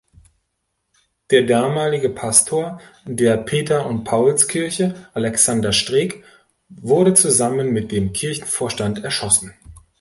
Der damalige Pastor der Peter-und-Pauls-Kirche, Alexander Streck, wurde zusammen mit dem Kirchenvorstand erschossen.